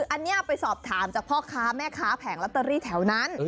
อันนี้ไปสอบถามจากพ่อค้าแม่ค้าแผงลอตเตอรี่แถวนั้น